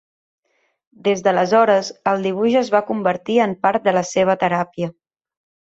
Des d’aleshores, el dibuix es va convertir en part de la seva teràpia.